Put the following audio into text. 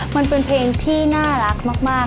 ถ้าพร้อมแล้วขอเชิญพบกับคุณลูกบาท